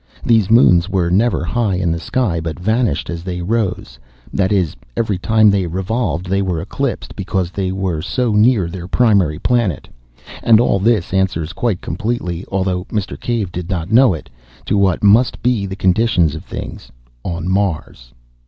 These moons were never high in the sky, but vanished as they rose: that is, every time they revolved they were eclipsed because they were so near their primary planet. And all this answers quite completely, although Mr. Cave did not know it, to what must be the condition of things on Mars.